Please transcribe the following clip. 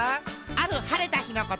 あるはれたひのこと。